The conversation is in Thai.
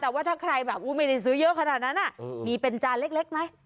แต่ว่าถ้าใครแบบไม่ได้ซื้อเยอะขนาดนั้นมีเป็นจานเล็กไหม